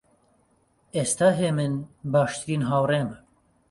ئێستا هێمن باشترین هاوڕێمە.